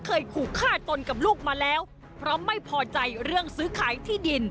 เคยขู่ฆ่าตนกับลูกมาแล้วเพราะไม่พอใจเรื่องซื้อขายที่ดิน